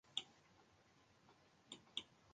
Dat is goed oan 'e priis.